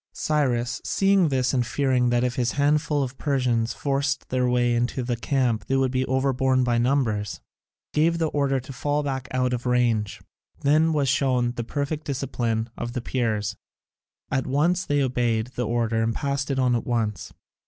Cyrus, seeing this, and fearing that if his handful of Persians forced their way into the camp they would be overborne by numbers, gave the order to fall back out of range. Then was shown the perfect discipline of the Peers; at once they obeyed the order and passed it on at once.